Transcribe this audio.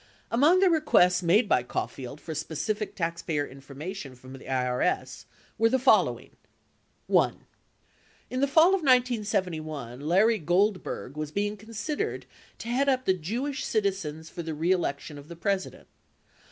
42 Among the requests made by Caulfield for specific taxpayer in formation from the IRS were the following : 1. In the fall of 1971 Larry Goldberg was being considered to head up the Jewish Citizen's for the Re election of the President.